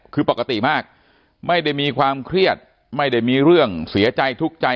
คือปกติมากไม่ได้มีความเครียดไม่ได้มีเรื่องเสียใจทุกข์ใจ